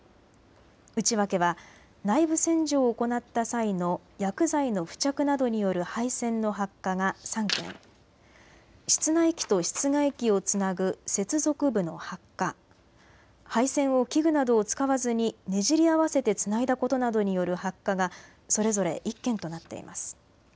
内訳は内部洗浄を行った際の薬剤の付着などによる配線の発火が３件、室内機と室外機をつなぐ接続部の発火、配線を器具などを使わずにねじり合わせてつないだことなどによる発火がそれぞれ１件となっています。